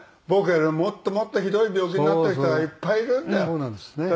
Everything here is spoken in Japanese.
僕よりももっともっとひどい病気になってる人がいっぱいいるんだよ。